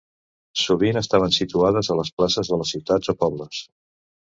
Sovint estaven situades a les places de les ciutats o pobles.